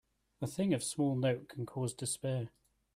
A thing of small note can cause despair.